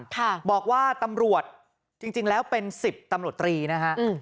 ค่ะบอกว่าตำรวจจริงจริงแล้วเป็นสิบตำรวจตรีนะฮะอืม